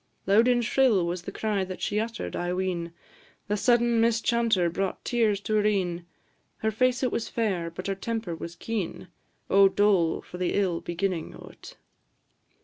Loud and shrill was the cry that she utter'd, I ween; The sudden mischanter brought tears to her een; Her face it was fair, but her temper was keen; O dole for the ill beginnin' o't!